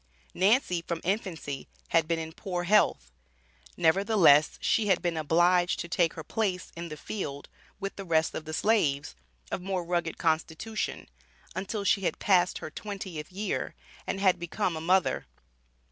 Nancy, from infancy, had been in poor health. Nevertheless, she had been obliged to take her place in the field with the rest of the slaves, of more rugged constitution, until she had passed her twentieth year, and had become a mother.